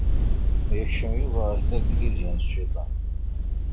Yekcem Yuba ɣer taglisya n cciṭan.